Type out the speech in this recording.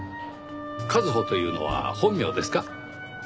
「かずほ」というのは本名ですか？